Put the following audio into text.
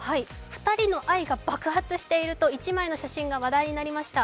２人の愛が爆発していると１枚の写真が話題になりました。